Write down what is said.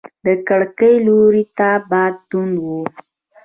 د کړکۍ لوري ته باد تونده و.